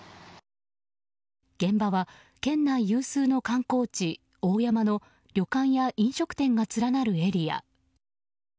現場は県内有数の観光地・大山の旅館や飲食店が連なるエリア。